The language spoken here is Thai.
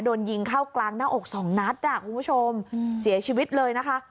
โดนยิงเข้ากลางหน้าอกสองนัดอ่ะคุณผู้ชมเสียชีวิตเลยนะคะ